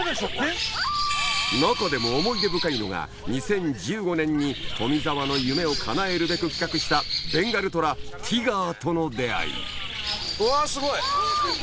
・中でも思い出深いのが２０１５年に富澤の夢をかなえるべく企画したベンガルトラティガーとの出合いうわすごい！